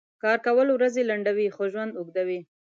کار کؤل ؤرځې لنډؤي خو ژؤند اوږدؤي .